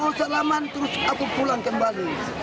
mau selamat terus aku pulang kembali